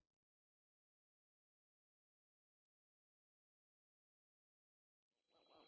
an fem kuat